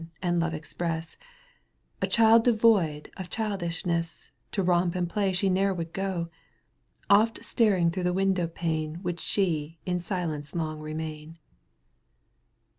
and love express ; у A child devoid of childishness To romp and play she ne'er would go : Oft staring through the window pane Would she in silence long remain.